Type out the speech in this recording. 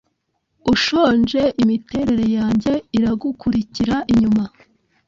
ushonje Imiterere yanjye iragukurikira inyuma.